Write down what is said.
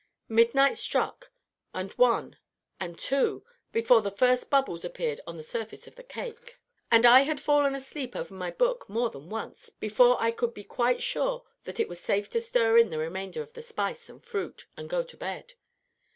Midnight struck, and one, and two, before the first bubbles appeared on the surface of the cake; and I had fallen asleep over my book more than once, before I could be quite sure that it was safe to stir in the remainder of the spice and fruit, and go to bed.